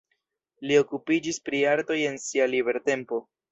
Li okupiĝis pri artoj en sia libertempo.